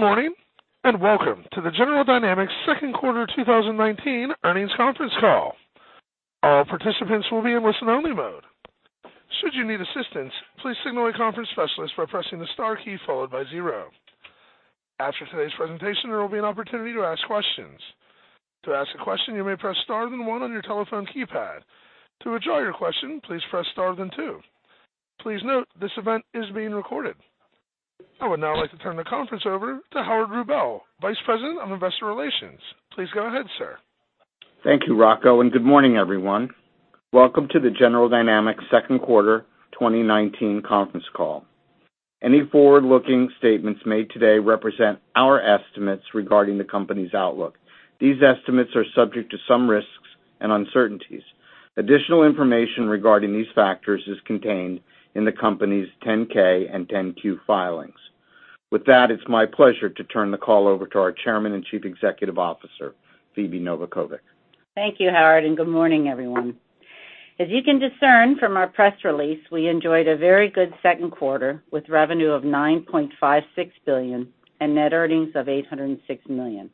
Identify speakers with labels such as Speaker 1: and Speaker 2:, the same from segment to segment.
Speaker 1: Morning, and welcome to the General Dynamics second quarter 2019 earnings conference call. All participants will be in listen-only mode. Should you need assistance, please signal a conference specialist by pressing the star key followed by zero. After today's presentation, there will be an opportunity to ask questions. To ask a question, you may press star then one on your telephone keypad. To withdraw your question, please press star then two. Please note, this event is being recorded. I would now like to turn the conference over to Howard Rubel, Vice President of Investor Relations. Please go ahead, sir.
Speaker 2: Thank you, Rocco, and good morning, everyone. Welcome to the General Dynamics second quarter 2019 conference call. Any forward-looking statements made today represent our estimates regarding the company's outlook. These estimates are subject to some risks and uncertainties. Additional information regarding these factors is contained in the company's 10-K and 10-Q filings. With that, it's my pleasure to turn the call over to our Chairman and Chief Executive Officer, Phebe Novakovic.
Speaker 3: Thank you, Howard. Good morning, everyone. As you can discern from our press release, we enjoyed a very good second quarter with revenue of $9.56 billion and net earnings of $806 million.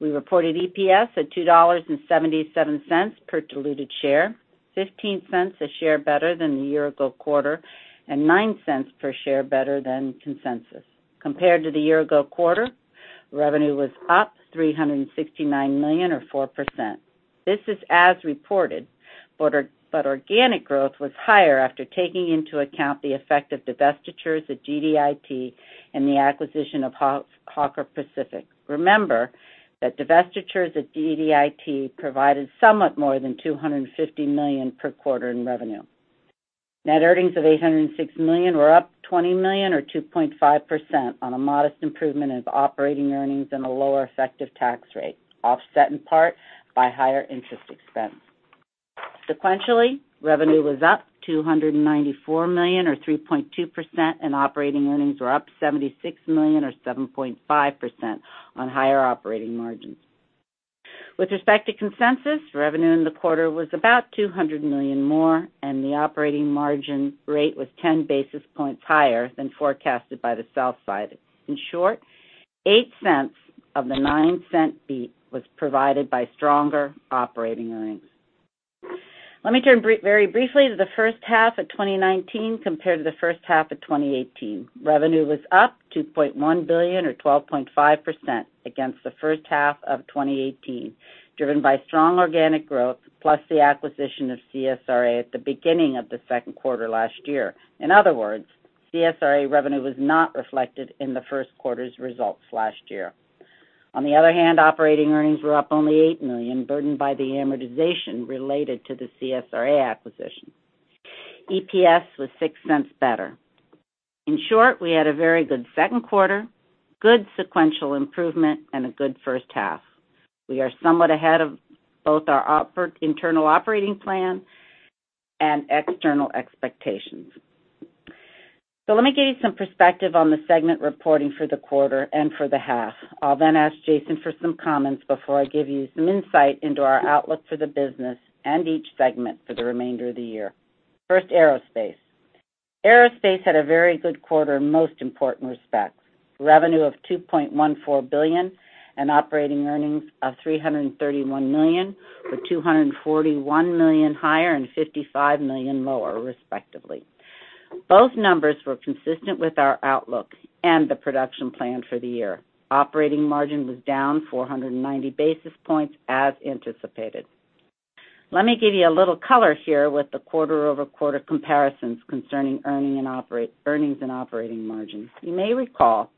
Speaker 3: We reported EPS at $2.77 per diluted share, $0.15 a share better than the year-ago quarter, and $0.09 per share better than consensus. Compared to the year-ago quarter, revenue was up $369 million, or 4%. This is as reported, but organic growth was higher after taking into account the effect of divestitures at GDIT and the acquisition of Hawker Pacific. Remember that divestitures at GDIT provided somewhat more than $250 million per quarter in revenue. Net earnings of $806 million were up $20 million or 2.5% on a modest improvement in operating earnings and a lower effective tax rate, offset in part by higher interest expense. Sequentially, revenue was up $294 million or 3.2%, and operating earnings were up $76 million or 7.5% on higher operating margins. With respect to consensus, revenue in the quarter was about $200 million more, and the operating margin rate was 10 basis points higher than forecasted by the sell side. In short, $0.08 of the $0.09 beat was provided by stronger operating earnings. Let me turn very briefly to the first half of 2019 compared to the first half of 2018. Revenue was up $2.1 billion or 12.5% against the first half of 2018, driven by strong organic growth plus the acquisition of CSRA at the beginning of the second quarter last year. In other words, CSRA revenue was not reflected in the first quarter's results last year. On the other hand, operating earnings were up only $8 million, burdened by the amortization related to the CSRA acquisition. EPS was $0.06 better. We had a very good second quarter, good sequential improvement, and a good first half. We are somewhat ahead of both our internal operating plan and external expectations. Let me give you some perspective on the segment reporting for the quarter and for the half. I'll ask Jason for some comments before I give you some insight into our outlook for the business and each segment for the remainder of the year. First, Aerospace. Aerospace had a very good quarter in most important respects. Revenue of $2.14 billion and operating earnings of $331 million, with $241 million higher and $55 million lower, respectively. Both numbers were consistent with our outlook and the production plan for the year. Operating margin was down 490 basis points as anticipated. Let me give you a little color here with the quarter-over-quarter comparisons concerning earnings and operating margins. You may recall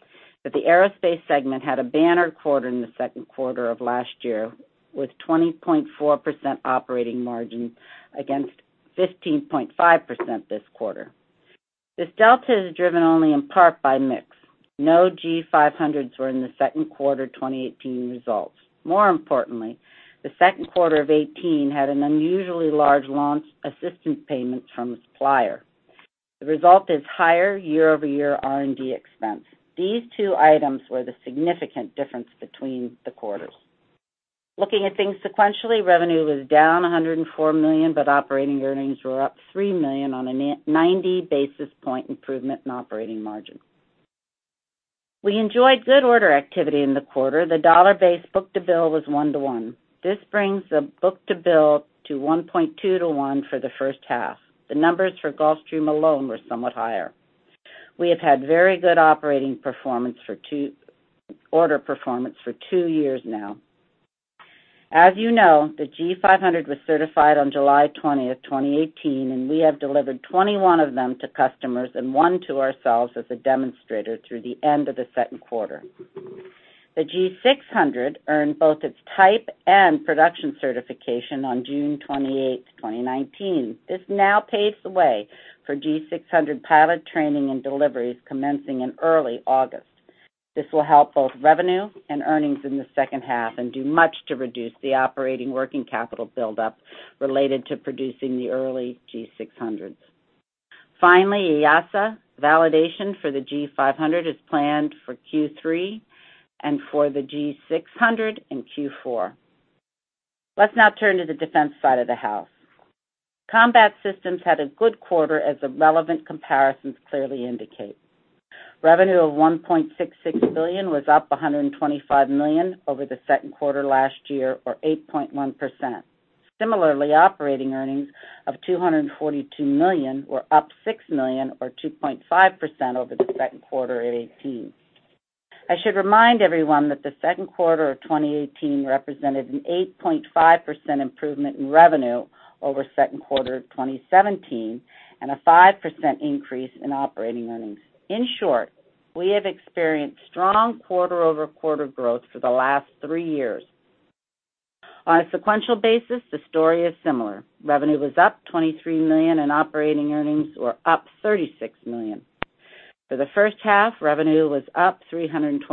Speaker 3: that the aerospace segment had a banner quarter in the second quarter of last year, with 20.4% operating margin against 15.5% this quarter. This delta is driven only in part by mix. No G500s were in the second quarter 2018 results. More importantly, the second quarter of 2018 had an unusually large launch assistance payment from a supplier. The result is higher year-over-year R&D expense. These two items were the significant difference between the quarters. Looking at things sequentially, revenue was down $104 million, but operating earnings were up $3 million on a 90-basis-point improvement in operating margin. We enjoyed good order activity in the quarter. The dollar-based book-to-bill was one to one. This brings the book-to-bill to 1.2 to 1 for the first half. The numbers for Gulfstream alone were somewhat higher. We have had very good operating order performance for two years now. As you know, the G500 was certified on July 20, 2018, and we have delivered 21 of them to customers and one to ourselves as a demonstrator through the end of the second quarter. The G600 earned both its type and production certification on June 28, 2019. This now paves the way for G600 pilot training and deliveries commencing in early August. This will help both revenue and earnings in the second half and do much to reduce the operating working capital buildup related to producing the early G600s. Finally, EASA validation for the G500 is planned for Q3 and for the G600 in Q4. Let's now turn to the defense side of the house. Combat Systems had a good quarter, as the relevant comparisons clearly indicate. Revenue of $1.66 billion was up $125 million over the second quarter last year or 8.1%. Similarly, operating earnings of $242 million were up $6 million or 2.5% over the second quarter of 2018. I should remind everyone that the second quarter of 2018 represented an 8.5% improvement in revenue over second quarter of 2017, and a 5% increase in operating earnings. In short, we have experienced strong quarter-over-quarter growth for the last three years. On a sequential basis, the story is similar. Revenue was up $23 million, and operating earnings were up $36 million. For the first half, revenue was up $321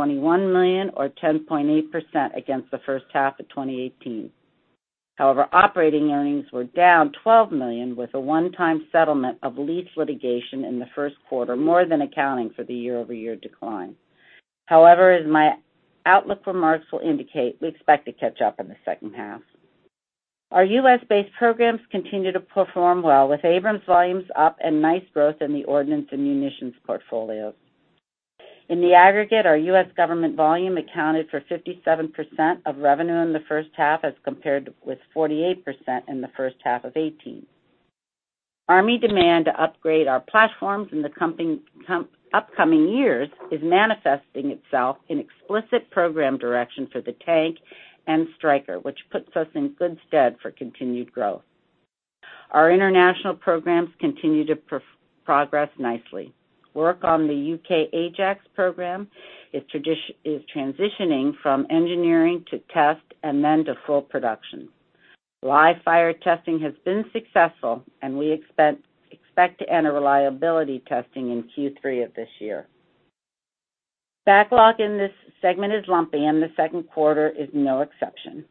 Speaker 3: million, or 10.8% against the first half of 2018. However, operating earnings were down $12 million, with a one-time settlement of lease litigation in the first quarter, more than accounting for the year-over-year decline. However, as my outlook remarks will indicate, we expect to catch up in the second half. Our U.S.-based programs continue to perform well, with Abrams volumes up and nice growth in the ordnance and munitions portfolios. In the aggregate, our U.S. government volume accounted for 57% of revenue in the first half, as compared with 48% in the first half of 2018. Army demand to upgrade our platforms in the upcoming years is manifesting itself in explicit program direction for the tank and Stryker, which puts us in good stead for continued growth. Our international programs continue to progress nicely. Work on the U.K. Ajax program is transitioning from engineering to test and then to full production. Live fire testing has been successful, and we expect to enter reliability testing in Q3 of this year. Backlog in this segment is lumpy, and the second quarter is no exception.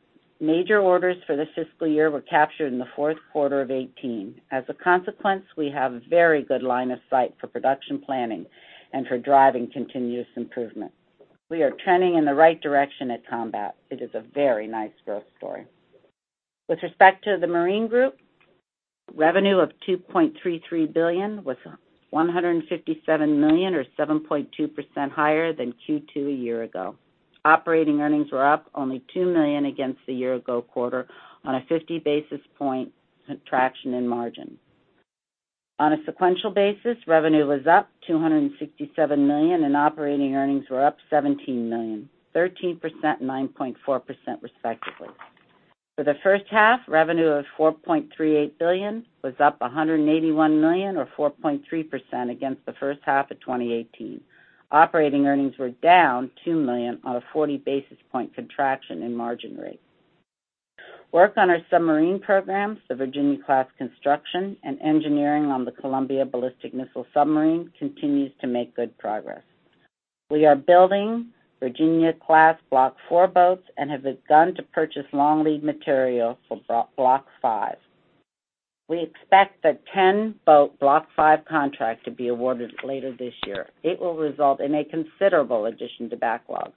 Speaker 3: Major orders for this fiscal year were captured in the fourth quarter of 2018. As a consequence, we have a very good line of sight for production planning and for driving continuous improvement. We are trending in the right direction at Combat. It is a very nice growth story. With respect to the Marine group, revenue of $2.33 billion was $157 million, or 7.2% higher than Q2 a year ago. Operating earnings were up only $2 million against the year ago quarter on a 50 basis point contraction in margin. On a sequential basis, revenue was up $267 million, and operating earnings were up $17 million, 13% and 9.4% respectively. For the first half, revenue of $4.38 billion was up $181 million or 4.3% against the first half of 2018. Operating earnings were down $2 million on a 40 basis point contraction in margin rate. Work on our submarine programs, the Virginia-class construction, and engineering on the Columbia ballistic missile submarine continues to make good progress. We are building Virginia-class Block IV boats and have begun to purchase long-lead material for Block V. We expect the 10-boat Block V contract to be awarded later this year. It will result in a considerable addition to backlog.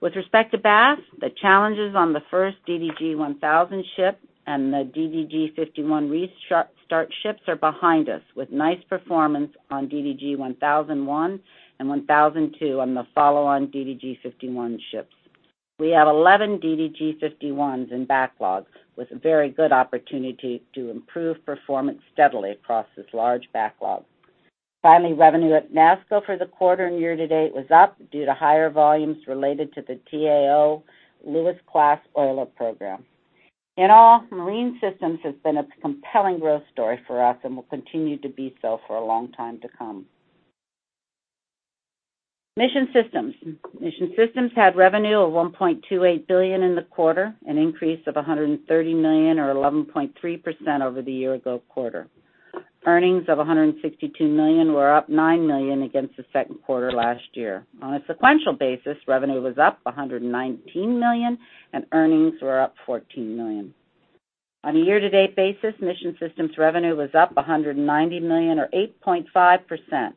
Speaker 3: With respect to Bath Iron Works, the challenges on the first DDG 1000 ship and the DDG 51 restart ships are behind us, with nice performance on DDG 1001 and DDG 1002 on the follow-on DDG 51 ships. We have 11 DDG 51s in backlog, with a very good opportunity to improve performance steadily across this large backlog. Finally, revenue at NASSCO for the quarter and year to date was up due to higher volumes related to the T-AO John Lewis-class oiler program. In all, Marine Systems has been a compelling growth story for us and will continue to be so for a long time to come. Mission Systems. Mission Systems had revenue of $1.28 billion in the quarter, an increase of $130 million or 11.3% over the year-ago quarter. Earnings of $162 million were up $9 million against the second quarter last year. On a sequential basis, revenue was up $119 million, and earnings were up $14 million. On a year-to-date basis, Mission Systems revenue was up $190 million or 8.5%.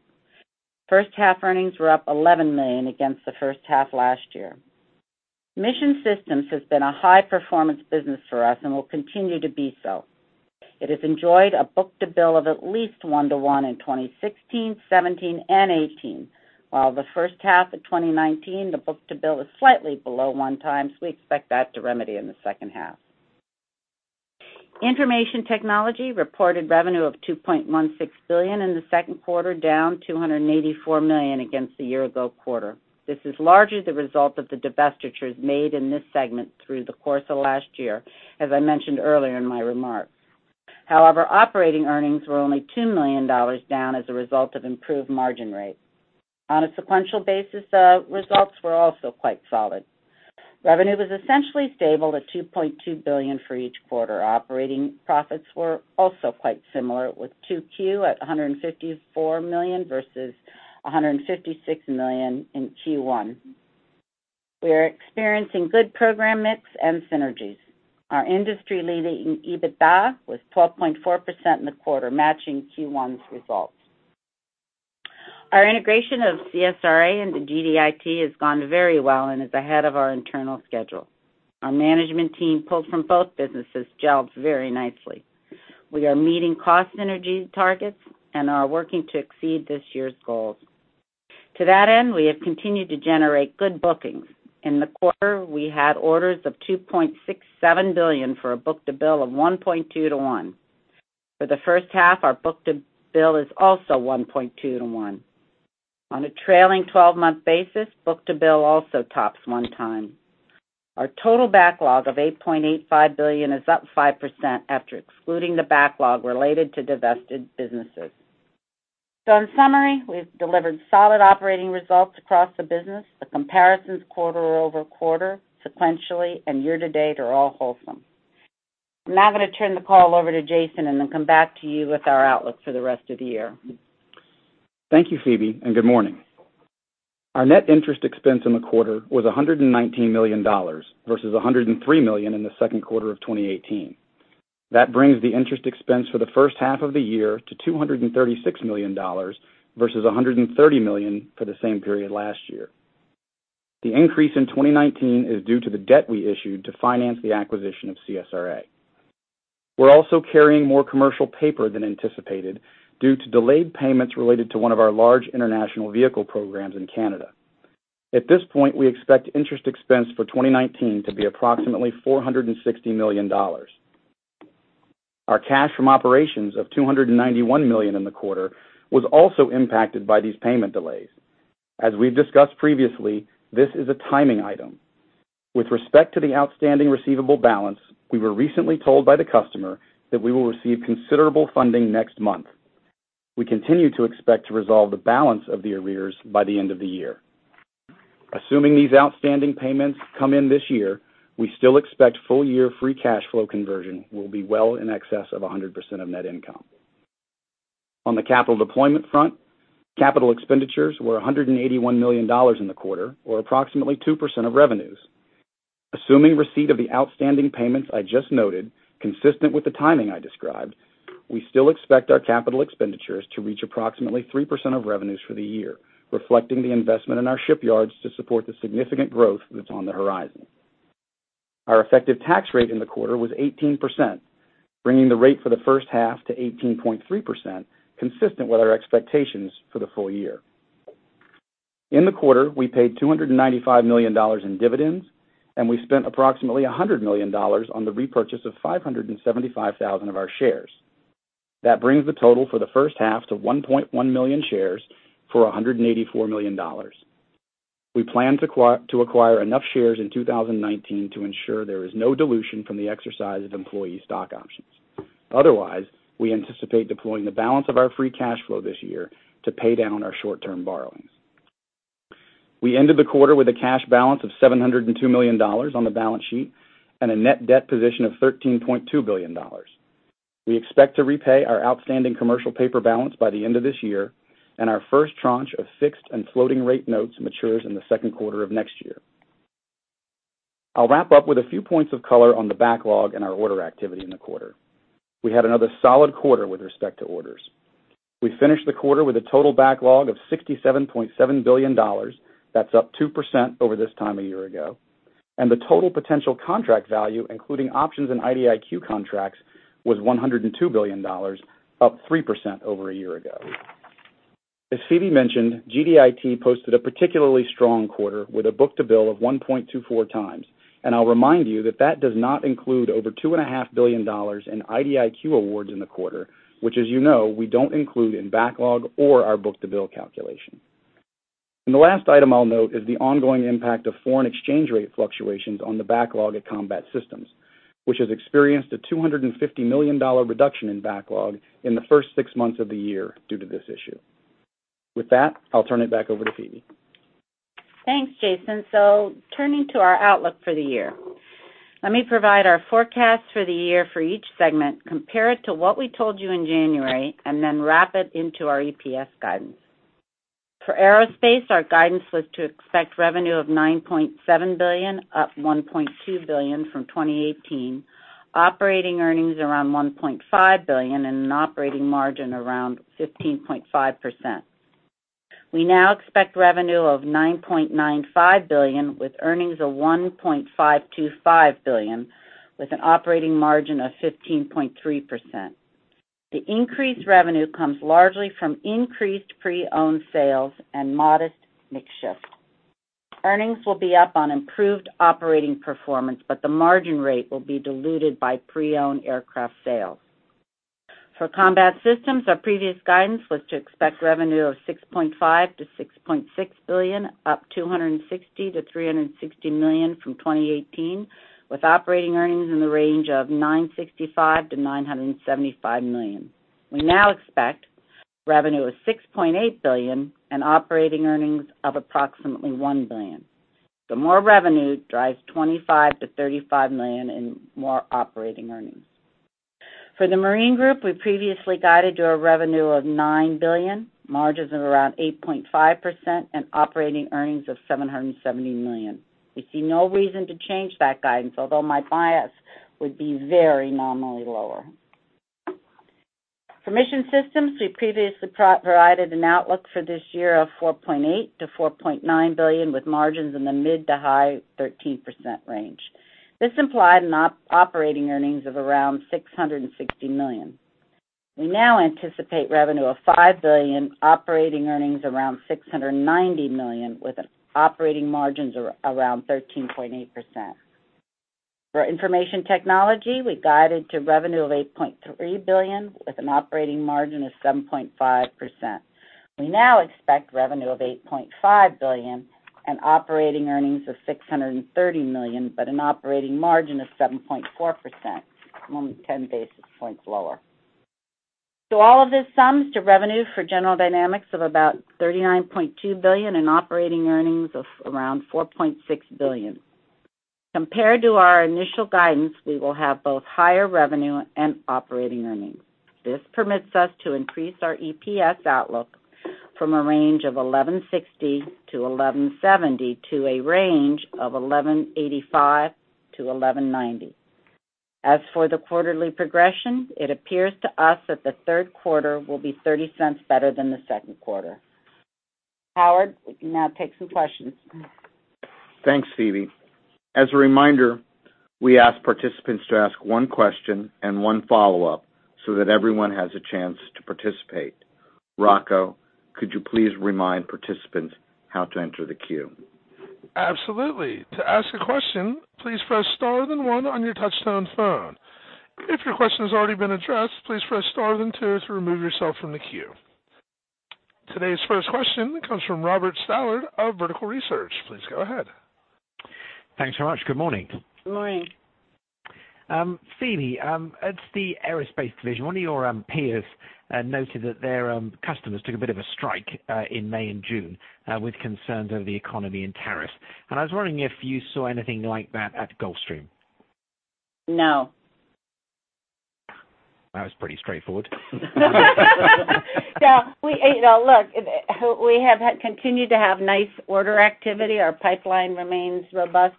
Speaker 3: First half earnings were up $11 million against the first half last year. Mission Systems has been a high-performance business for us and will continue to be so. It has enjoyed a book-to-bill of at least one to one in 2016, 2017, and 2018, while the first half of 2019, the book-to-bill is slightly below one times. We expect that to remedy in the second half. Information Technology reported revenue of $2.16 billion in the second quarter, down $284 million against the year-ago quarter. This is largely the result of the divestitures made in this segment through the course of last year, as I mentioned earlier in my remarks. However, operating earnings were only $2 million down as a result of improved margin rate. On a sequential basis, the results were also quite solid. Revenue was essentially stable at $2.2 billion for each quarter. Operating profits were also quite similar, with 2Q at $154 million versus $156 million in Q1. We are experiencing good program mix and synergies. Our industry-leading EBITDA was 12.4% in the quarter, matching Q1's results. Our integration of CSRA into GDIT has gone very well and is ahead of our internal schedule. Our management team, pulled from both businesses, gels very nicely. We are meeting cost synergy targets and are working to exceed this year's goals. To that end, we have continued to generate good bookings. In the quarter, we had orders of $2.67 billion for a book-to-bill of 1.2 to one. For the first half, our book-to-bill is also 1.2 to one. On a trailing 12-month basis, book-to-bill also tops one time. Our total backlog of $8.85 billion is up 5% after excluding the backlog related to divested businesses. In summary, we've delivered solid operating results across the business. The comparisons quarter-over-quarter, sequentially, and year-to-date are all wholesome. I'm now going to turn the call over to Jason and then come back to you with our outlook for the rest of the year.
Speaker 4: Thank you, Phebe, and good morning. Our net interest expense in the quarter was $119 million versus $103 million in the second quarter of 2018. That brings the interest expense for the first half of the year to $236 million versus $130 million for the same period last year. The increase in 2019 is due to the debt we issued to finance the acquisition of CSRA. We're also carrying more commercial paper than anticipated due to delayed payments related to one of our large international vehicle programs in Canada. At this point, we expect interest expense for 2019 to be approximately $460 million. Our cash from operations of $291 million in the quarter was also impacted by these payment delays. As we've discussed previously, this is a timing item. With respect to the outstanding receivable balance, we were recently told by the customer that we will receive considerable funding next month. We continue to expect to resolve the balance of the arrears by the end of the year. Assuming these outstanding payments come in this year, we still expect full-year free cash flow conversion will be well in excess of 100% of net income. On the capital deployment front, capital expenditures were $181 million in the quarter or approximately 2% of revenues. Assuming receipt of the outstanding payments I just noted, consistent with the timing I described, we still expect our capital expenditures to reach approximately 3% of revenues for the year, reflecting the investment in our shipyards to support the significant growth that's on the horizon. Our effective tax rate in the quarter was 18%, bringing the rate for the first half to 18.3%, consistent with our expectations for the full year. In the quarter, we paid $295 million in dividends, and we spent approximately $100 million on the repurchase of 575,000 of our shares. That brings the total for the first half to 1.1 million shares for $184 million. We plan to acquire enough shares in 2019 to ensure there is no dilution from the exercise of employee stock options. Otherwise, we anticipate deploying the balance of our free cash flow this year to pay down our short-term borrowings. We ended the quarter with a cash balance of $702 million on the balance sheet and a net debt position of $13.2 billion. We expect to repay our outstanding commercial paper balance by the end of this year, and our first tranche of fixed and floating rate notes matures in the second quarter of next year. I'll wrap up with a few points of color on the backlog and our order activity in the quarter. We had another solid quarter with respect to orders. We finished the quarter with a total backlog of $67.7 billion. That's up 2% over this time a year ago, and the total potential contract value, including options and IDIQ contracts, was $102 billion, up 3% over a year ago. As Phebe mentioned, GDIT posted a particularly strong quarter with a book-to-bill of 1.24 times. I'll remind you that does not include over $2.5 billion in IDIQ awards in the quarter, which, as you know, we don't include in backlog or our book-to-bill calculation. The last item I'll note is the ongoing impact of foreign exchange rate fluctuations on the backlog at Combat Systems, which has experienced a $250 million reduction in backlog in the first six months of the year due to this issue. With that, I'll turn it back over to Phebe.
Speaker 3: Thanks, Jason. Turning to our outlook for the year. Let me provide our forecast for the year for each segment, compare it to what we told you in January, and then wrap it into our EPS guidance. For Aerospace, our guidance was to expect revenue of $9.7 billion, up $1.2 billion from 2018, operating earnings around $1.5 billion, and an operating margin around 15.5%. We now expect revenue of $9.95 billion with earnings of $1.525 billion, with an operating margin of 15.3%. The increased revenue comes largely from increased pre-owned sales and modest mix shift. Earnings will be up on improved operating performance, but the margin rate will be diluted by pre-owned aircraft sales. For Combat Systems, our previous guidance was to expect revenue of $6.5 billion-$6.6 billion, up $260 million-$360 million from 2018, with operating earnings in the range of $965 million-$975 million. We now expect revenue of $6.8 billion and operating earnings of approximately $1 billion. The more revenue drives $25 million-$35 million in more operating earnings. For the Marine group, we previously guided to a revenue of $9 billion, margins of around 8.5%, and operating earnings of $770 million. We see no reason to change that guidance, although my bias would be very nominally lower. For Mission Systems, we previously provided an outlook for this year of $4.8 billion-$4.9 billion, with margins in the mid to high 13% range. This implied operating earnings of around $660 million. We now anticipate revenue of $5 billion, operating earnings around $690 million, with operating margins around 13.8%. For Information Technology, we guided to revenue of $8.3 billion with an operating margin of 7.5%. We now expect revenue of $8.5 billion and operating earnings of $630 million, an operating margin of 7.4%, only 10 basis points lower. All of this sums to revenue for General Dynamics of about $39.2 billion and operating earnings of around $4.6 billion. Compared to our initial guidance, we will have both higher revenue and operating earnings. This permits us to increase our EPS outlook from a range of $11.60-$11.70 to a range of $11.85-$11.90. As for the quarterly progression, it appears to us that the third quarter will be $0.30 better than the second quarter. Howard, we can now take some questions.
Speaker 2: Thanks, Phebe. As a reminder, we ask participants to ask one question and one follow-up so that everyone has a chance to participate. Rocco, could you please remind participants how to enter the queue?
Speaker 1: Absolutely. To ask a question, please press star then one on your touchtone phone. If your question has already been addressed, please press star then two to remove yourself from the queue. Today's first question comes from Robert Stallard of Vertical Research. Please go ahead.
Speaker 5: Thanks so much. Good morning.
Speaker 3: Good morning.
Speaker 5: Phebe, at the aerospace division, one of your peers noted that their customers took a bit of a strike in May and June with concerns over the economy and tariffs. I was wondering if you saw anything like that at Gulfstream?
Speaker 3: No.
Speaker 5: That was pretty straightforward.
Speaker 3: No. Look, we have continued to have nice order activity. Our pipeline remains robust.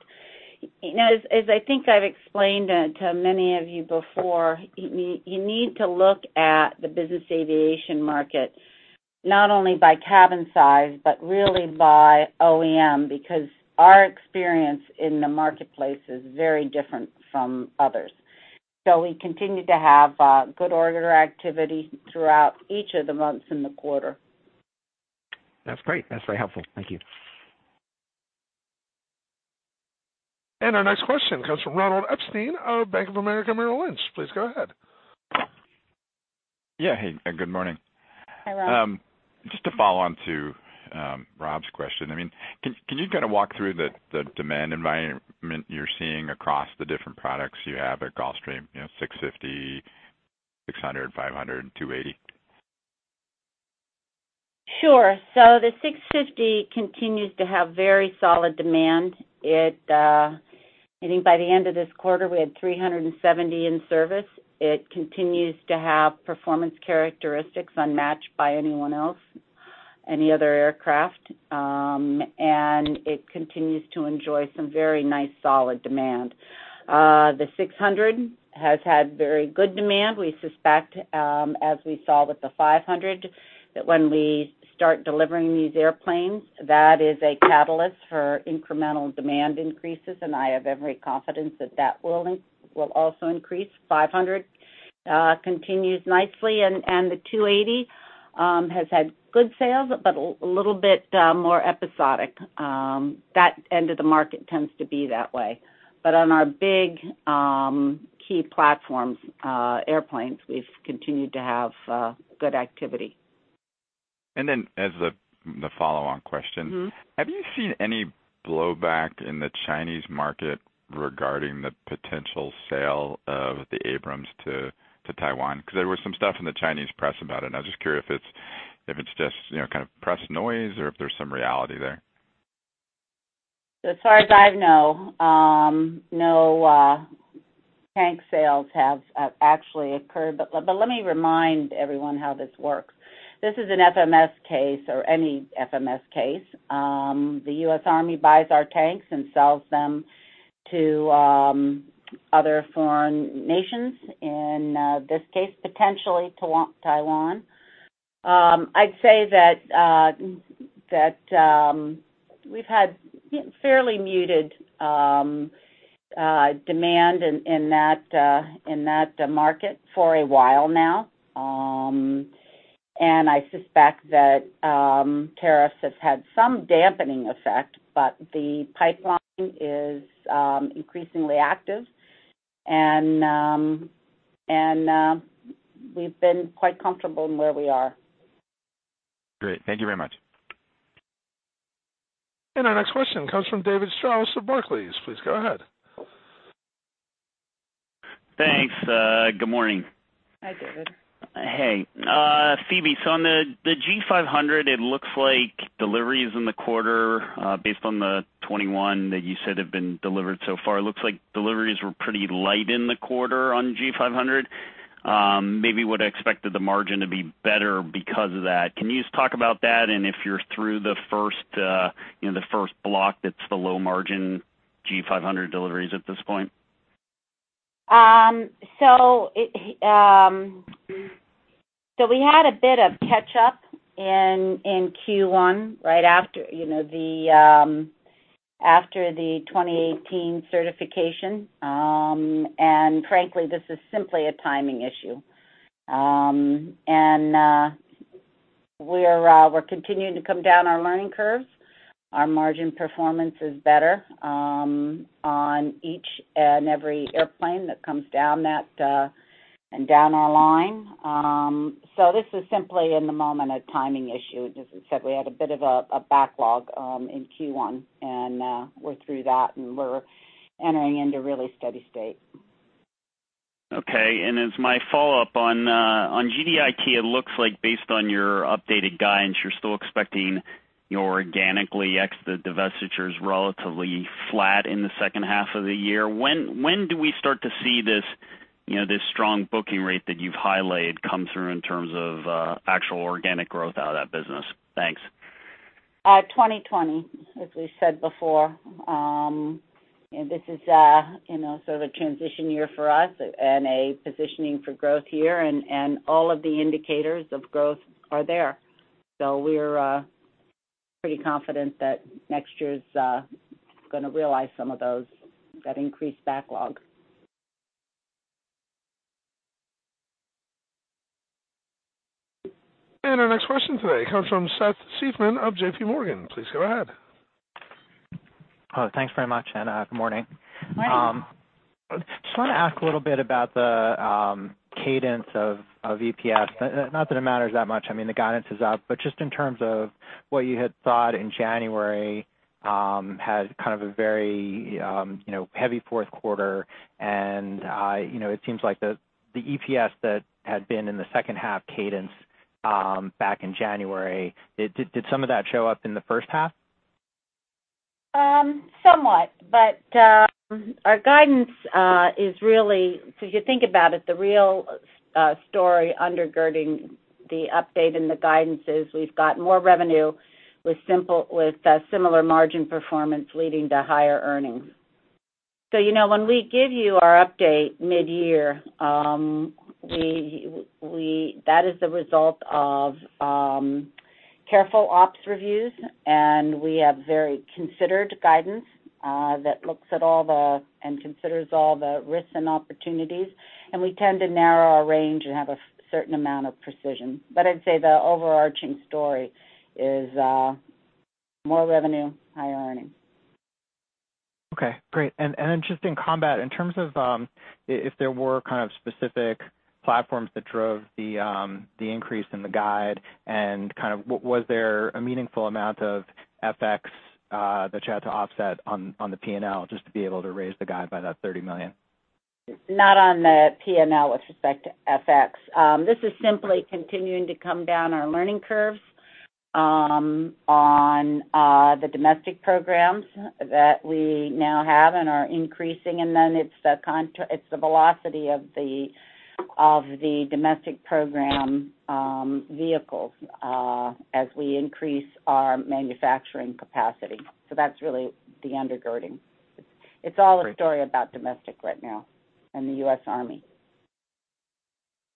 Speaker 3: As I think I've explained to many of you before, you need to look at the business aviation market not only by cabin size, but really by OEM, because our experience in the marketplace is very different from others. We continue to have good order activity throughout each of the months in the quarter.
Speaker 5: That's great. That's very helpful. Thank you.
Speaker 1: Our next question comes from Ronald Epstein of Bank of America Merrill Lynch. Please go ahead.
Speaker 6: Yeah. Hey, good morning.
Speaker 3: Hi, Ron.
Speaker 6: Just to follow on to Rob's question, can you kind of walk through the demand environment you're seeing across the different products you have at Gulfstream, 650, 600, 500, and G280?
Speaker 3: Sure. The G650 continues to have very solid demand. I think by the end of this quarter, we had 370 in service. It continues to have performance characteristics unmatched by anyone else, any other aircraft, and it continues to enjoy some very nice solid demand. The G600 has had very good demand. We suspect, as we saw with the G500, that when we start delivering these airplanes, that is a catalyst for incremental demand increases, and I have every confidence that that will also increase. G500 continues nicely, and the G280 has had good sales, but a little bit more episodic. That end of the market tends to be that way. On our big, key platforms airplanes, we've continued to have good activity.
Speaker 6: As the follow-on question. Have you seen any blowback in the Chinese market regarding the potential sale of the Abrams to Taiwan? There was some stuff in the Chinese press about it, and I was just curious if it's just kind of press noise or if there's some reality there.
Speaker 3: As far as I know, no tank sales have actually occurred. Let me remind everyone how this works. This is an FMS case or any FMS case. The U.S. Army buys our tanks and sells them to other foreign nations, in this case, potentially Taiwan. I'd say that we've had fairly muted demand in that market for a while now. I suspect that tariffs have had some dampening effect, but the pipeline is increasingly active, and we've been quite comfortable in where we are.
Speaker 6: Great. Thank you very much.
Speaker 1: Our next question comes from David Strauss of Barclays. Please go ahead.
Speaker 7: Thanks. Good morning.
Speaker 3: Hi, David.
Speaker 7: Hey. Phebe, on the G500, it looks like deliveries in the quarter based on the 21 that you said have been delivered so far. It looks like deliveries were pretty light in the quarter on G500. Maybe would've expected the margin to be better because of that. Can you just talk about that and if you're through the first block that's the low margin G500 deliveries at this point?
Speaker 3: We had a bit of catch up in Q1 right after the 2018 certification. Frankly, this is simply a timing issue. We're continuing to come down our learning curves. Our margin performance is better on each and every airplane that comes down our line. This is simply, in the moment, a timing issue. Just as I said, we had a bit of a backlog in Q1, and we're through that, and we're entering into really steady state.
Speaker 7: Okay. As my follow-up on GDIT, it looks like based on your updated guidance, you're still expecting your organically ex the divestiture is relatively flat in the second half of the year. When do we start to see this strong booking rate that you've highlighted come through in terms of actual organic growth out of that business? Thanks.
Speaker 3: 2020, as we said before. This is sort of a transition year for us and a positioning for growth year. All of the indicators of growth are there. We're pretty confident that next year's going to realize some of those, that increased backlog.
Speaker 1: Our next question today comes from Seth Seifman of JPMorgan. Please go ahead.
Speaker 8: Hello. Thanks very much, and good morning.
Speaker 3: Morning.
Speaker 8: Just want to ask a little bit about the cadence of EPS. Not that it matters that much, I mean, the guidance is up, but just in terms of what you had thought in January, had kind of a very heavy fourth quarter and it seems like the EPS that had been in the second half cadence back in January, did some of that show up in the first half?
Speaker 3: Somewhat, our guidance is really, if you think about it, the real story undergirding the update and the guidance is we've got more revenue with similar margin performance leading to higher earnings. When we give you our update mid-year, that is the result of careful ops reviews, and we have very considered guidance that looks at and considers all the risks and opportunities, and we tend to narrow our range and have a certain amount of precision. I'd say the overarching story is more revenue, higher earnings.
Speaker 8: Okay, great. Just in Combat Systems, in terms of if there were kind of specific platforms that drove the increase in the guide and was there a meaningful amount of FX that you had to offset on the P&L just to be able to raise the guide by that $30 million?
Speaker 3: Not on the P&L with respect to FX. This is simply continuing to come down our learning curves on the domestic programs that we now have and are increasing. It's the velocity of the domestic program vehicles as we increase our manufacturing capacity. That's really the undergirding. It's all a story about domestic right now and the US Army.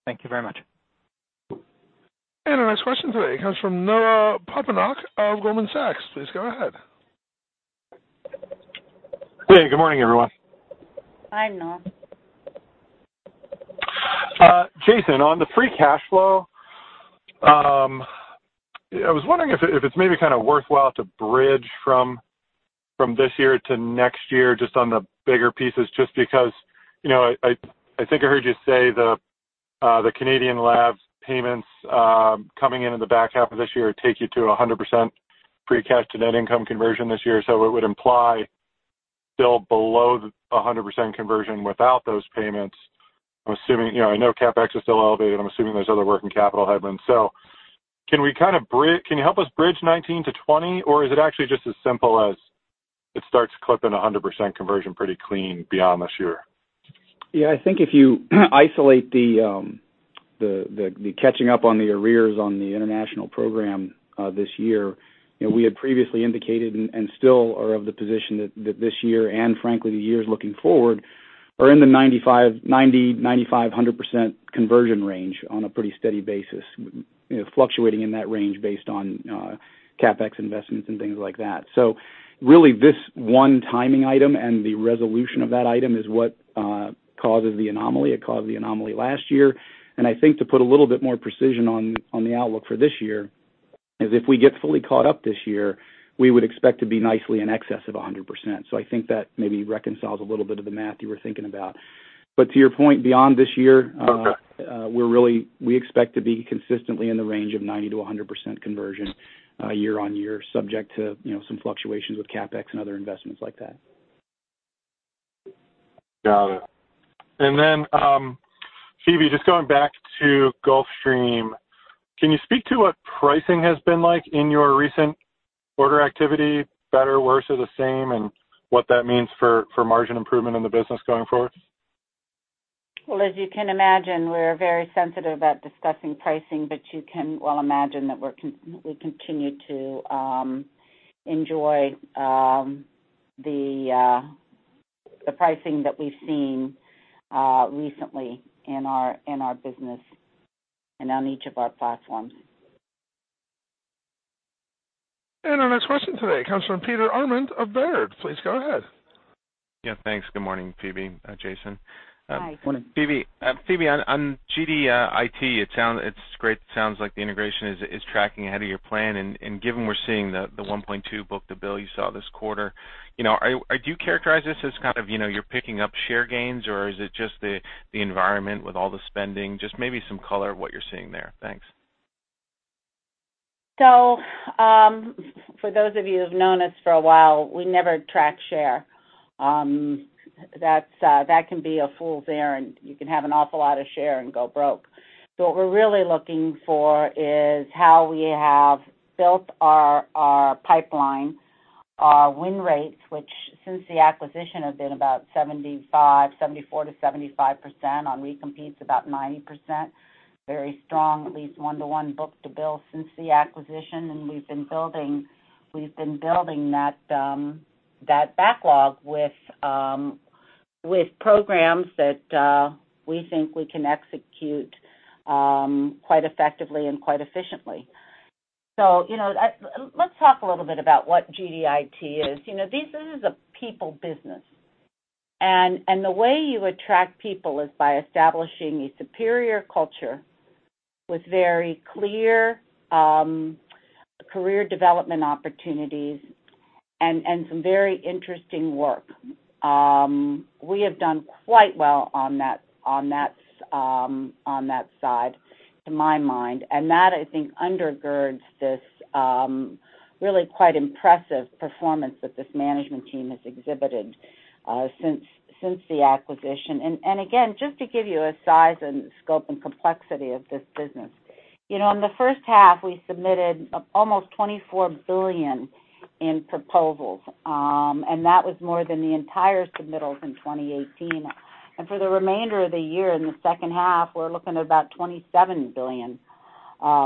Speaker 8: Thank you very much.
Speaker 1: Our next question today comes from Noah Poponak of Goldman Sachs. Please go ahead.
Speaker 9: Hey, good morning, everyone.
Speaker 3: Hi, Noah.
Speaker 9: Jason, on the free cash flow, I was wondering if it's maybe kind of worthwhile to bridge from this year to next year, just on the bigger pieces, just because I think I heard you say the Canadian LAVs payments coming into the back half of this year take you to 100% free cash to net income conversion this year. It would imply still below 100% conversion without those payments. I know CapEx is still elevated. I'm assuming there's other working capital headwinds. Can you help us bridge 2019 to 2020, or is it actually just as simple as it starts clipping 100% conversion pretty clean beyond this year?
Speaker 4: I think if you isolate the catching up on the arrears on the international program this year, we had previously indicated and still are of the position that this year, and frankly, the years looking forward, are in the 90%, 95%, 100% conversion range on a pretty steady basis. Fluctuating in that range based on CapEx investments and things like that. Really this one timing item and the resolution of that item is what causes the anomaly. It caused the anomaly last year. I think to put a little bit more precision on the outlook for this year is if we get fully caught up this year, we would expect to be nicely in excess of 100%. I think that maybe reconciles a little bit of the math you were thinking about. To your point, beyond this year- Okay We expect to be consistently in the range of 90%-100% conversion year-over-year, subject to some fluctuations with CapEx and other investments like that.
Speaker 9: Got it. Phebe, just going back to Gulfstream, can you speak to what pricing has been like in your recent order activity, better, worse, or the same, and what that means for margin improvement in the business going forward?
Speaker 3: Well, as you can imagine, we're very sensitive about discussing pricing, but you can well imagine that we continue to enjoy the pricing that we've seen recently in our business and on each of our platforms.
Speaker 1: Our next question today comes from Peter Arment of Baird. Please go ahead.
Speaker 10: Yeah, thanks. Good morning, Phebe, Jason.
Speaker 4: Hi. Morning.
Speaker 10: Phebe, on GDIT, it's great. It sounds like the integration is tracking ahead of your plan. Given we're seeing the 1.2 book-to-bill you saw this quarter, do you characterize this as you're picking up share gains, or is it just the environment with all the spending? Just maybe some color of what you're seeing there. Thanks.
Speaker 3: For those of you who've known us for a while, we never track share. That can be a fool's errand. You can have an awful lot of share and go broke. What we're really looking for is how we have built our pipeline, our win rates, which since the acquisition have been about 74%-75%, on recompetes about 90%. Very strong, at least 1-to-1 book-to-bill since the acquisition, and we've been building that backlog with programs that we think we can execute quite effectively and quite efficiently. Let's talk a little bit about what GDIT is. This is a people business, and the way you attract people is by establishing a superior culture with very clear career development opportunities and some very interesting work. We have done quite well on that side, to my mind. That, I think, undergirds this really quite impressive performance that this management team has exhibited since the acquisition. Again, just to give you a size and scope and complexity of this business. In the first half, we submitted almost $24 billion in proposals, and that was more than the entire submittals in 2018. For the remainder of the year, in the second half, we're looking at about $27 billion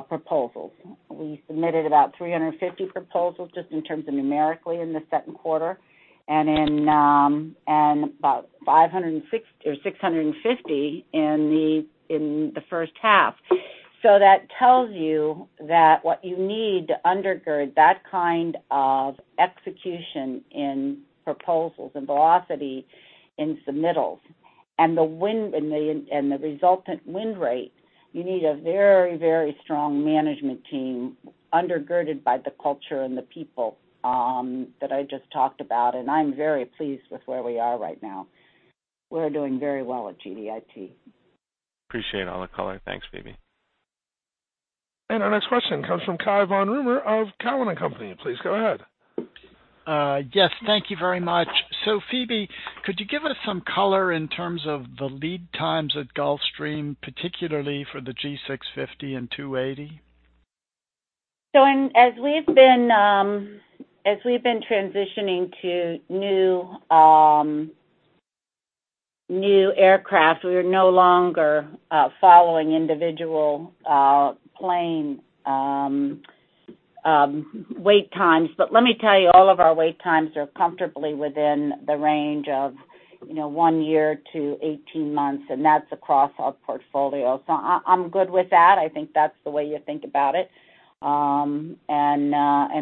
Speaker 3: proposals. We submitted about 350 proposals just in terms of numerically in the second quarter, and about 650 in the first half. That tells you that what you need to undergird that kind of execution in proposals and velocity in submittals and the resultant win rate, you need a very strong management team undergirded by the culture and the people that I just talked about, and I'm very pleased with where we are right now. We're doing very well at GDIT.
Speaker 10: Appreciate all the color. Thanks, Phebe.
Speaker 1: Our next question comes from Cai von Rumohr of Cowen and Company. Please go ahead.
Speaker 11: Yes, thank you very much. Phebe, could you give us some color in terms of the lead times at Gulfstream, particularly for the G650 and G280?
Speaker 3: As we've been transitioning to new aircraft, we are no longer following individual plane wait times. Let me tell you, all of our wait times are comfortably within the range of one year to 18 months, and that's across our portfolio. I'm good with that. I think that's the way you think about it.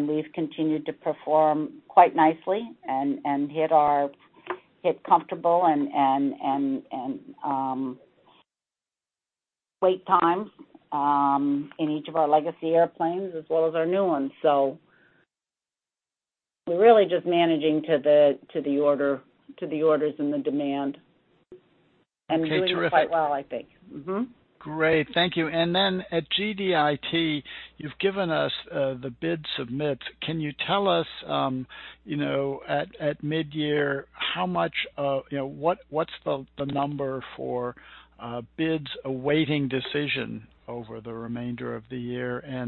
Speaker 3: We've continued to perform quite nicely and hit comfortable and wait times in each of our legacy airplanes as well as our new ones. We're really just managing to the orders and the demand.
Speaker 11: Okay, terrific.
Speaker 3: doing quite well, I think. Mm-hmm.
Speaker 11: Great. Thank you. At GDIT, you've given us the bid submits. Can you tell us, at mid-year, what's the number for bids awaiting decision over the remainder of the year?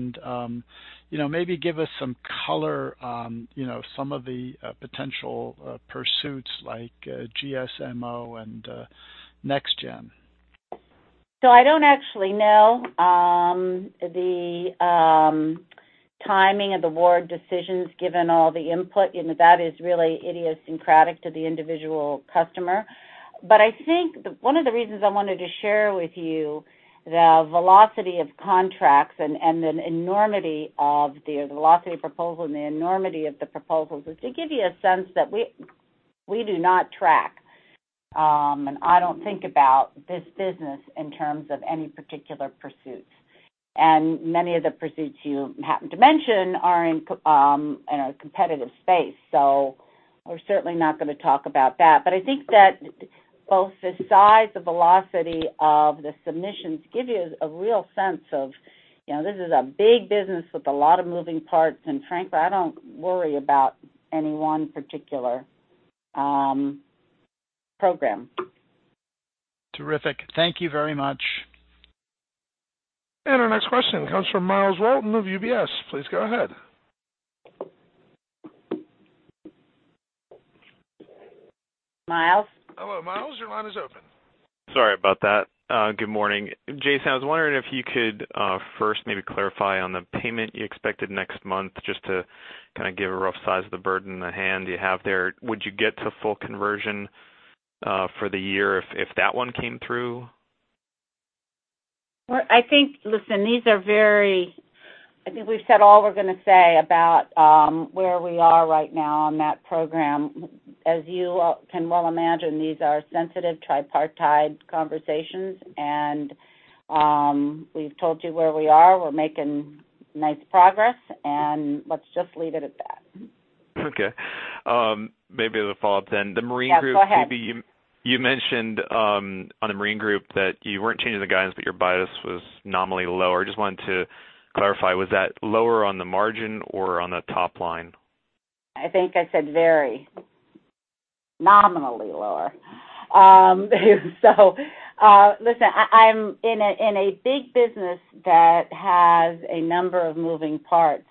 Speaker 11: Maybe give us some color on some of the potential pursuits like GSM-O and Next Gen.
Speaker 3: I don't actually know the timing of the award decisions given all the input. That is really idiosyncratic to the individual customer. I think one of the reasons I wanted to share with you the velocity of contracts and the velocity of proposal and the enormity of the proposals is to give you a sense that we do not track, and I don't think about this business in terms of any particular pursuits. Many of the pursuits you happen to mention are in a competitive space. We're certainly not going to talk about that. I think that both the size, the velocity of the submissions give you a real sense of this is a big business with a lot of moving parts, and frankly, I don't worry about any one particular program.
Speaker 11: Terrific. Thank you very much.
Speaker 1: Our next question comes from Myles Walton of UBS. Please go ahead.
Speaker 3: Myles?
Speaker 1: Hello, Myles, your line is open.
Speaker 12: Sorry about that. Good morning. Jason, I was wondering if you could first maybe clarify on the payment you expected next month, just to kind of give a rough size of the burden, the hand you have there? Would you get to full conversion for the year if that one came through?
Speaker 3: Well, I think, listen, I think we've said all we're going to say about where we are right now on that program. As you can well imagine, these are sensitive, tripartite conversations and we've told you where we are. We're making nice progress, and let's just leave it at that.
Speaker 12: Okay. Maybe as a follow-up then.
Speaker 3: Yeah, go ahead.
Speaker 12: The Marine Systems group, Phebe, you mentioned, on the Marine Systems group that you weren't changing the guidance. Your bias was nominally lower. Just wanted to clarify, was that lower on the margin or on the top line?
Speaker 3: I think I said very nominally lower. Listen, I'm in a big business that has a number of moving parts.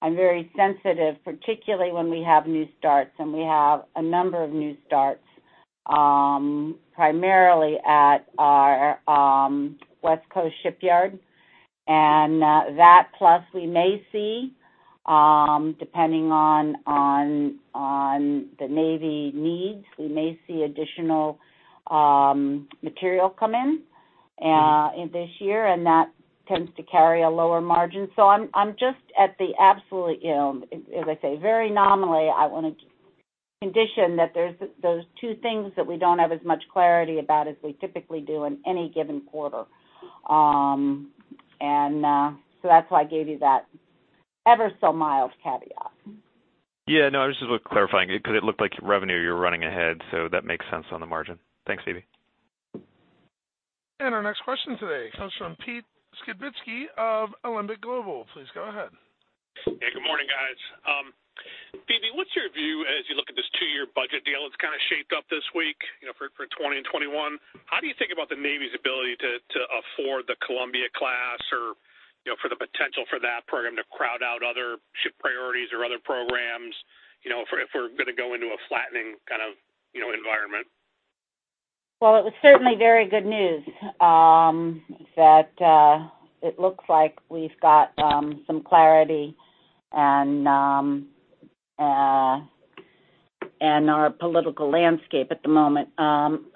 Speaker 3: I'm very sensitive, particularly when we have new starts, and we have a number of new starts, primarily at our West Coast shipyard. That, plus we may see, depending on the Navy needs, we may see additional material come in this year, and that tends to carry a lower margin. I'm just at the absolute, as I say, very nominally, I want to condition that there's those two things that we don't have as much clarity about as we typically do in any given quarter. That's why I gave you that ever so mild caveat.
Speaker 12: No, I was just clarifying it because it looked like revenue, you were running ahead. That makes sense on the margin. Thanks, Phebe.
Speaker 1: Our next question today comes from Pete Skibitski of Alembic Global. Please go ahead.
Speaker 13: Good morning, guys. Phebe, what's your view as you look at this two-year budget deal that's kind of shaped up this week, for 2020 and 2021? How do you think about the Navy's ability to afford the Columbia class or for the potential for that program to crowd out other ship priorities or other programs, if we're going to go into a flattening kind of environment?
Speaker 3: Well, it was certainly very good news that it looks like we've got some clarity in our political landscape at the moment.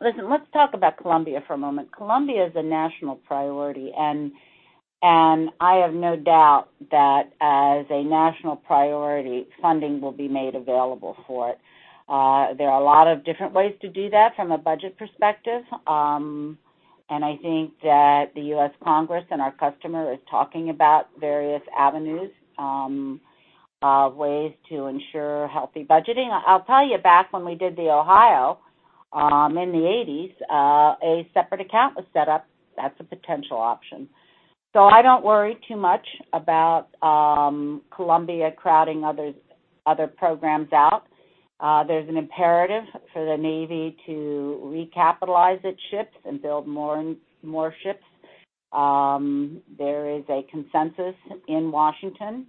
Speaker 3: Listen, let's talk about Columbia for a moment. Columbia is a national priority, and I have no doubt that as a national priority, funding will be made available for it. There are a lot of different ways to do that from a budget perspective. I think that the U.S. Congress and our customer is talking about various avenues, of ways to ensure healthy budgeting. I'll tell you, back when we did the Ohio, in the '80s, a separate account was set up. That's a potential option. I don't worry too much about Columbia crowding other programs out. There's an imperative for the Navy to recapitalize its ships and build more ships. There is a consensus in Washington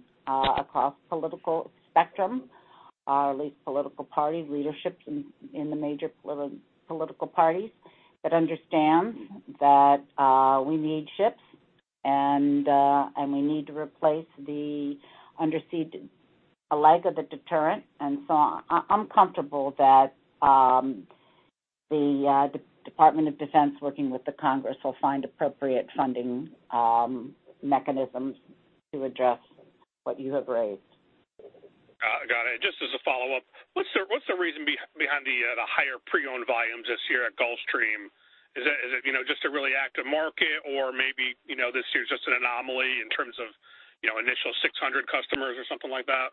Speaker 3: across political spectrum, or at least political party leadership in the major political parties that understand that we need ships, and we need to replace the undersea leg of the deterrent. I'm comfortable that the Department of Defense working with the Congress will find appropriate funding mechanisms to address what you have raised.
Speaker 13: Got it. Just as a follow-up, what's the reason behind the higher pre-owned volumes this year at Gulfstream? Is it just a really active market or maybe this year's just an anomaly in terms of initial 600 customers or something like that?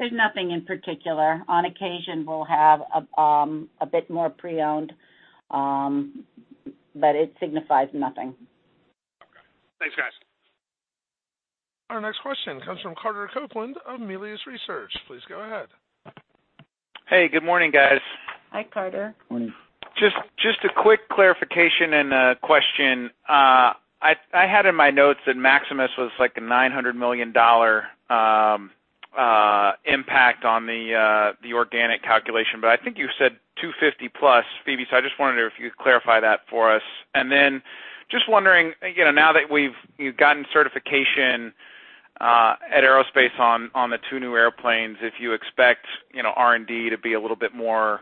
Speaker 3: There's nothing in particular. On occasion, we'll have a bit more pre-owned. It signifies nothing.
Speaker 13: Okay. Thanks, guys.
Speaker 1: Our next question comes from Carter Copeland of Melius Research. Please go ahead.
Speaker 14: Hey, good morning, guys.
Speaker 3: Hi, Carter.
Speaker 4: Morning.
Speaker 14: Just a quick clarification and a question. I had in my notes that Maximus was like a $900 million impact on the organic calculation, but I think you said $250 plus, Phebe. I just wondering if you could clarify that for us. Then just wondering, now that we've gotten certification at Aerospace on the two new airplanes, if you expect R&D to be a little bit more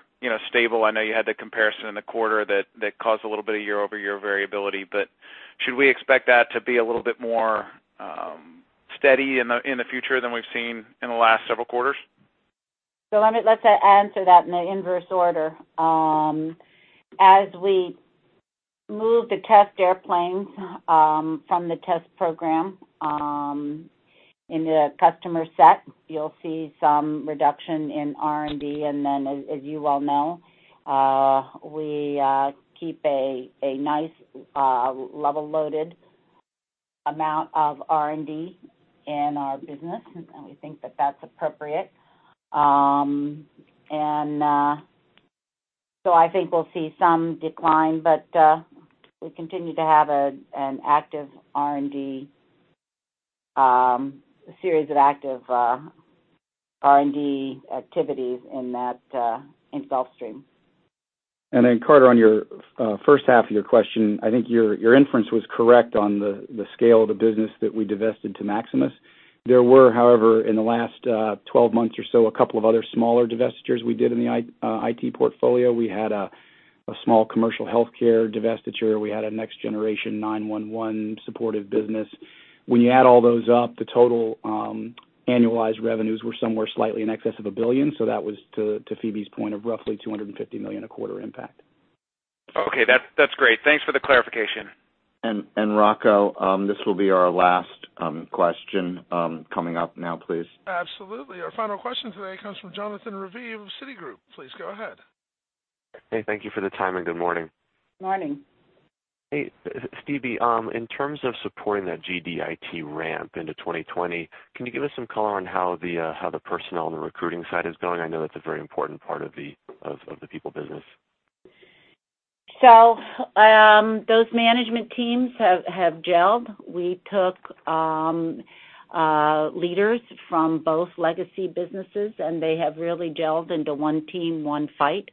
Speaker 14: stable. I know you had the comparison in the quarter that caused a little bit of year-over-year variability, should we expect that to be a little bit more steady in the future than we've seen in the last several quarters?
Speaker 3: Let's answer that in the inverse order. As we move the test airplanes from the test program into a customer set, you'll see some reduction in R&D. As you well know, we keep a nice level loaded amount of R&D in our business, and we think that that's appropriate. I think we'll see some decline, but we continue to have a series of active R&D activities in Gulfstream.
Speaker 4: Carter, on your first half of your question, I think your inference was correct on the scale of the business that we divested to Maximus. There were, however, in the last 12 months or so, a couple of other smaller divestitures we did in the IT portfolio. We had a small commercial healthcare divestiture. We had a next-generation 911 supportive business. When you add all those up, the total annualized revenues were somewhere slightly in excess of $1 billion. That was, to Phebe's point, of roughly $250 million a quarter impact.
Speaker 14: Okay. That's great. Thanks for the clarification.
Speaker 2: Rocco, this will be our last question, coming up now, please.
Speaker 1: Absolutely. Our final question today comes from Jonathan Raviv of Citigroup. Please go ahead.
Speaker 15: Hey, thank you for the time, and good morning.
Speaker 3: Morning.
Speaker 15: Hey, Phebe. In terms of supporting that GDIT ramp into 2020, can you give us some color on how the personnel on the recruiting side is going? I know that's a very important part of the people business.
Speaker 3: Those management teams have gelled. We took leaders from both legacy businesses, and they have really gelled into one team, one fight.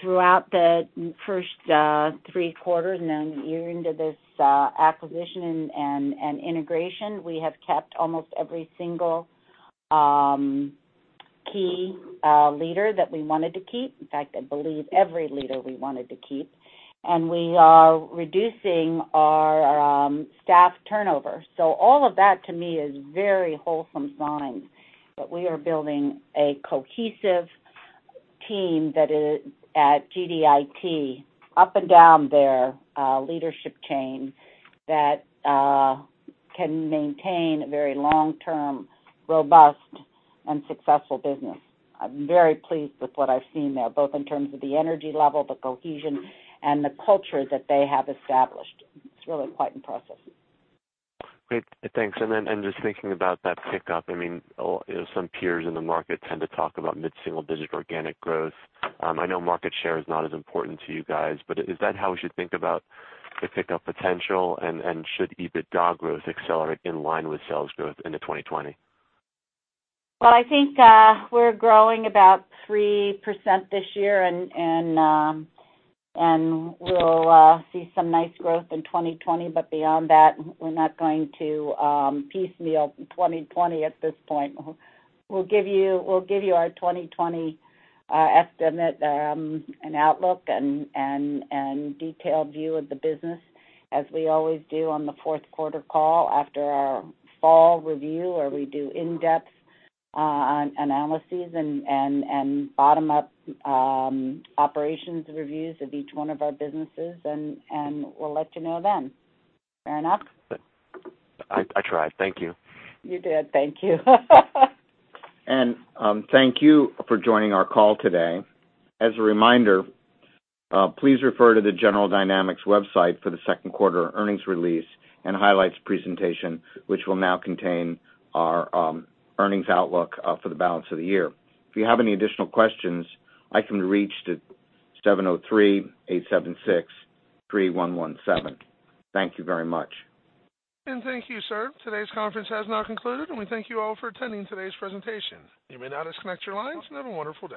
Speaker 3: Throughout the first three quarters, now a year into this acquisition and integration, we have kept almost every single key leader that we wanted to keep. In fact, I believe every leader we wanted to keep. We are reducing our staff turnover. All of that, to me, is very wholesome signs, that we are building a cohesive team at GDIT, up and down their leadership chain, that can maintain a very long-term, robust, and successful business. I'm very pleased with what I've seen there, both in terms of the energy level, the cohesion, and the culture that they have established. It's really quite impressive.
Speaker 15: Great. Thanks. Just thinking about that pickup, some peers in the market tend to talk about mid-single-digit organic growth. I know market share is not as important to you guys, but is that how we should think about the pickup potential? Should EBITDA growth accelerate in line with sales growth into 2020?
Speaker 3: Well, I think we're growing about 3% this year, and we'll see some nice growth in 2020. Beyond that, we're not going to piecemeal 2020 at this point. We'll give you our 2020 estimate, and outlook, and detailed view of the business, as we always do on the fourth quarter call after our fall review, where we do in-depth analyses and bottom-up operations reviews of each one of our businesses, and we'll let you know then. Fair enough?
Speaker 15: I tried. Thank you.
Speaker 3: You did. Thank you.
Speaker 2: Thank you for joining our call today. As a reminder, please refer to the General Dynamics website for the second quarter earnings release and highlights presentation, which will now contain our earnings outlook for the balance of the year. If you have any additional questions, I can be reached at 703-876-3117. Thank you very much.
Speaker 1: Thank you, sir. Today's conference has now concluded, and we thank you all for attending today's presentation. You may now disconnect your lines, and have a wonderful day.